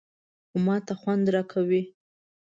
_خو ماته خوند راکوي.